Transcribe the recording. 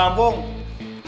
eh musimnya itu